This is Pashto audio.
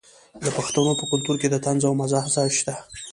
د پښتنو په کلتور کې د طنز او مزاح ځای شته.